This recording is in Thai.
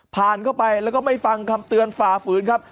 ผ่านเข้าไปแล้วก็ไม่ฟังคำเตือนฝ่าฝืนครับ